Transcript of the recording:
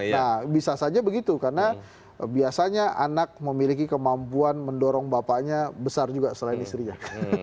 nah bisa saja begitu karena biasanya anak memiliki kemampuan mendorong bapaknya besar juga selain istrinya